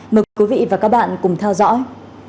mời quý vị và các bạn cùng theo dõi